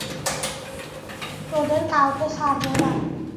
তোদের কাউকে ছাড়ব না।